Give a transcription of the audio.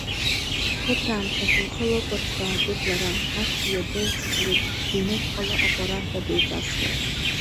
Ԥыҭраамҭак лхы лыкуаҽ даатәеит лара, ахьҭа иардысыз леиԥш ҩныҵҟала аҟәараҳәа деиҵасуа.